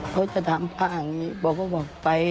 เขาก็จะถามข้างนี้บอกให้ไป